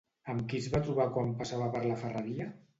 Amb qui es va trobar quan passava per la ferreria?